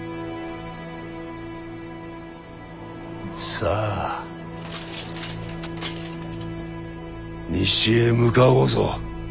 さあ西へ向かおうぞ。